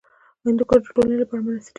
هندوکش د ټولنې لپاره بنسټیز رول لري.